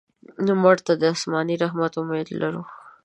مړه ته د آسماني رحمت امید لرو